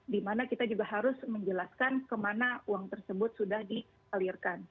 di mana kita juga harus menjelaskan kemana uang tersebut sudah dikalirkan